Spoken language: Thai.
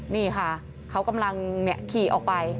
นี่ค่ะเขากำลังขี่ออกไป